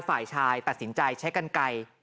ฝ่ายชายตัดสินใจใช้กันไกล